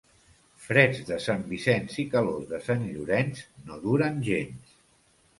Freds de Sant Vicenç i calors de Sant Llorenç no duren gens.